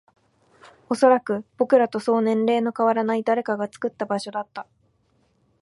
おそらく、僕らとそう年齢の変わらない誰かが作った場所だった